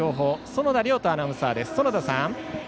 園田遼斗アナウンサーです。